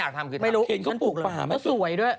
ไม่รู้เขาสวยด้วย